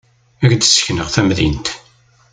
Ad k-d-ssekneɣ tamdint.